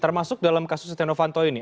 termasuk dalam kasus stenovanto ini